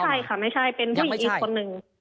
ใช่ค่ะไม่ใช่เป็นผู้หญิงอีกคนนึง